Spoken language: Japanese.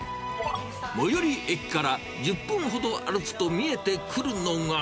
最寄り駅から１０分ほど歩くと見えてくるのが。